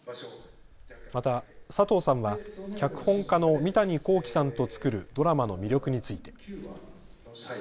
また佐藤さんは脚本家の三谷幸喜さんと作るドラマの魅力について。